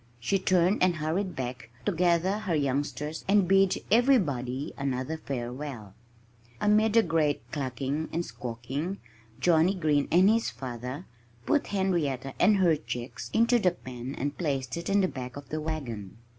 She turned and hurried back, to gather her youngsters and bid everybody another farewell. Amid a great clucking and squawking, Johnnie Green and his father put Henrietta and her chicks into the pen and placed it in the back of the wagon.